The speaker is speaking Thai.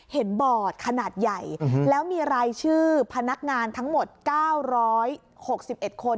บอร์ดขนาดใหญ่แล้วมีรายชื่อพนักงานทั้งหมด๙๖๑คน